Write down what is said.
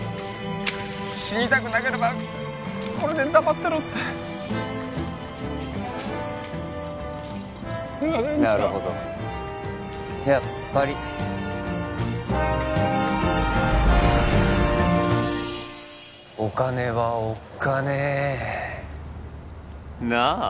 「死にたくなければこれで黙ってろ」ってなるほどやっぱりお金はおっかねえーなあ？